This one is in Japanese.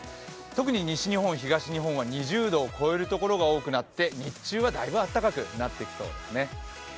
特に西日本、東日本は２０度を超える所が多くなって、日中はだいぶ暖かくなってきそうですね。